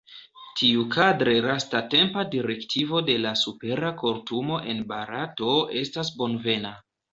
Tiukadre lastatempa direktivo de la supera kortumo en Barato estas bonvena.